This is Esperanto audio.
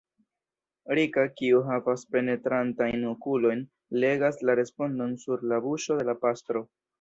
Rika, kiu havas penetrantajn okulojn, legas la respondon sur la buŝo de la pastro.